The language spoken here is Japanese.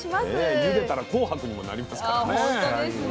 ゆでたら紅白にもなりますからね。